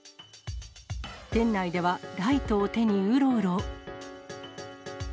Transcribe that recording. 店内ではライトを手にうろうろ。